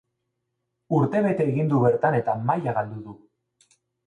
Urtebete egin du bertan eta maila galdu du.